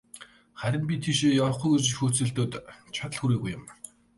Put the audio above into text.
Харин би тийшээ явахгүй гэж хөөцөлдөөд, чадал хүрээгүй юм.